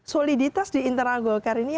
soliditas di internal golkar ini